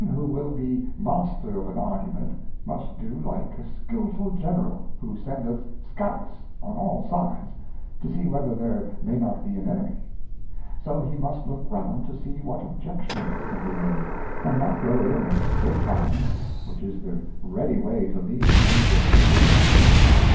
1 7 1 who will be Master of an Argument^ must do like a skilful General, who sendeth Scouts on all sides, to see whether there may not be an Enemy. So he must look round to see what Objections can be made, and not go on in a streight Line, which is the ready way to lead him into a mistake.